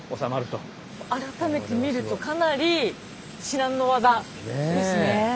改めて見るとかなり至難の業ですね。